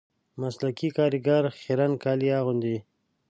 مسلکي کاریګر خیرن کالي اغوندي